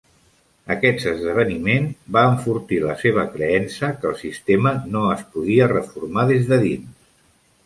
Aquest esdeveniment va enfortir la seva creença que el sistema no es podia reformar des de dins.